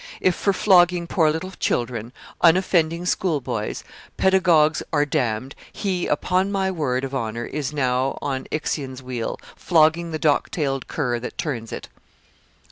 If for flogging poor little children, unoffending school boys, pedagogues are damned, he, upon my word of honor, is now on Ixion's wheel, flogging the dock tailed cur that turns it.